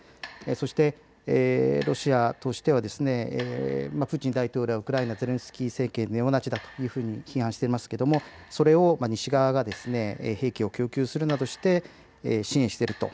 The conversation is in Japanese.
そして、ロシアとしてはプーチン大統領はウクライナ、ゼレンスキー政権はネオナチだというふうに批判していますがそれを西側が兵器を供給するなどして支援していると。